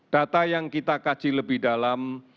data yang kita kaji lebih dalam